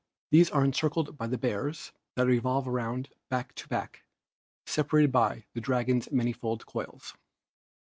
These are encircled by the Bears, that revolve around back to back separated by the Dragon's manifold coils.'